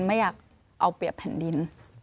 ไม่อยากเอาเปรียบแผ่นดิน